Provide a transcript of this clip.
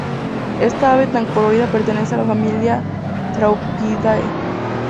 Esta ave tan colorida pertenece a la familia Thraupidae.